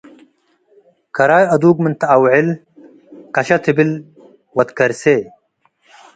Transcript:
ከራይ አዱግ ምን ተአውዕል ከሸ ትብል ወትከርሴ